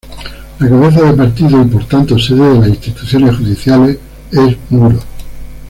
La cabeza de partido y por tanto sede de las instituciones judiciales es Muros.